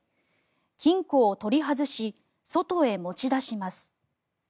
金庫を取り外し外へ持ち出します。